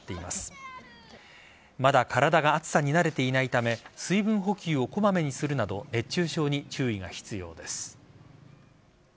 まだ体が暑さに慣れていないため水分補給をこまめにするなど熱中症に注意が必要です。